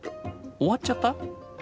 終わっちゃった？